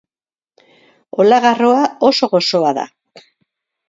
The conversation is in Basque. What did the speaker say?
Olagarroa oso gozoa da.